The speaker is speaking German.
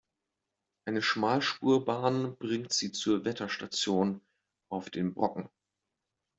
Eine Schmalspurbahn bringt Sie zur Wetterstation auf dem Brocken.